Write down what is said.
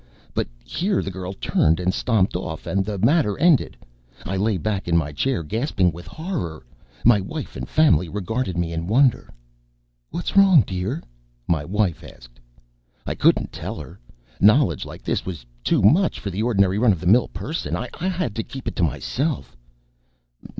But here the girl turned and stomped off and the matter ended. I lay back in my chair gasping with horror. My wife and family regarded me in wonder. "What's wrong, dear?" my wife asked. I couldn't tell her. Knowledge like this was too much for the ordinary run of the mill person. I had to keep it to myself.